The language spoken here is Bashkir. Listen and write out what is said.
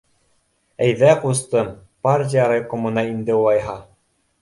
- Әйҙә, ҡустым, партия райкомына инде улайһа